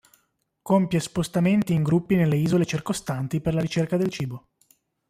Compie spostamenti in gruppi nelle isole circostanti per la ricerca del cibo.